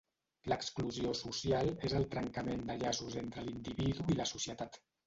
L'exclusió social és el trencament de llaços entre l'individu i la societat.